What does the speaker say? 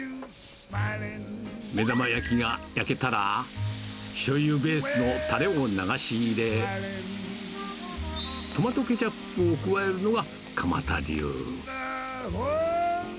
目玉焼きが焼けたら、しょうゆベースのたれを流し入れ、トマトケチャップを加えるのは、鎌田流。